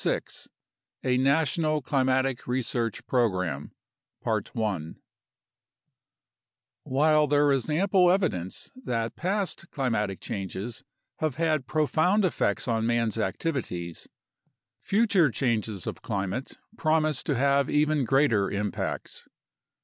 6 A NATIONAL CLIMATIC RESEARCH PROGRAM While there is ample evidence that past climatic changes have had profound effects on man's activities, future changes of climate promise to have even greater impacts.